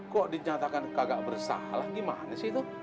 kok dinyatakan kagak bersalah gimana sih itu